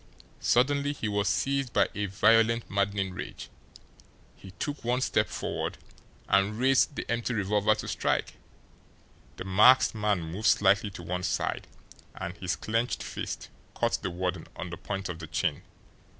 Suddenly he was seized by a violent, maddening rage. He took one step forward and raised the empty revolver to strike. The masked man moved slightly to one side and his clenched fist caught the warden on the point of the chin.